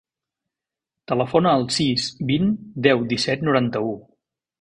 Telefona al sis, vint, deu, disset, noranta-u.